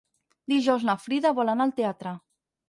Dijous na Frida vol anar al teatre.